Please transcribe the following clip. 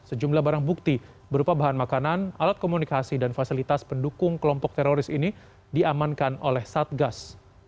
sejumlah barang bukti berupa bahan makanan alat komunikasi dan fasilitas pendukung kelompok teroris ini diamankan oleh satgas